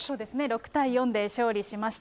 ６対４で勝利しました。